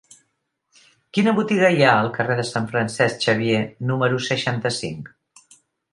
Quina botiga hi ha al carrer de Sant Francesc Xavier número seixanta-cinc?